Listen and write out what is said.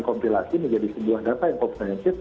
mengumpulasi menjadi sebuah data yang komponensif